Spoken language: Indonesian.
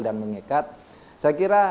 dan mengikat saya kira